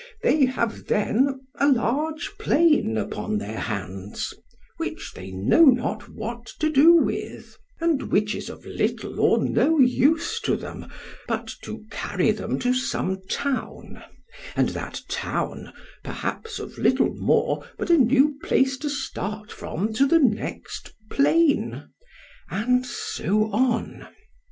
they have then a large plain upon their hands, which they know not what to do with—and which is of little or no use to them but to carry them to some town; and that town, perhaps of little more, but a new place to start from to the next plain——and so on.